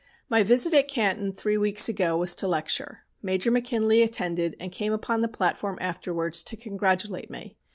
"My visit at Canton three weeks ago was to lecture. Major McKinley attended and came upon the platform afterwards to congratulate me.